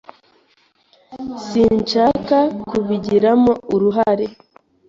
Sinshaka kubigiramo uruhare.